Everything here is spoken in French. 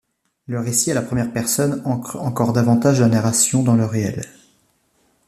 Le récit à la première personne ancre encore davantage la narration dans le réel.